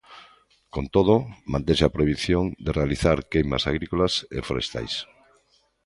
Con todo, mantense a prohibición de realizar queimas agrícolas e forestais.